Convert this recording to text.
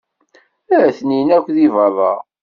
Atenin akk di beṛṛa.